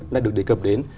đã được đề cập đến